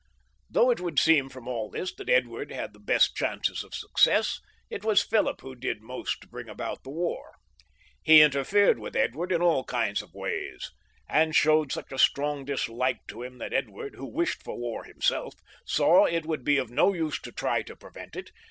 Though it would seem from all this that Edward had the best chances of success, it was Philip who did most to bring about the war. He interfered with Edward in all kinds of ways, and showed such a strong dislike to him that Edward, who wished for war himself, saw it would be of no use to try to prevent it.